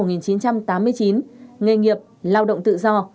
nghề nghiệp lao động tự do